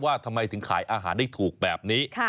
ว่าทำไมถึงขายอาหารได้ถูกแบบนี้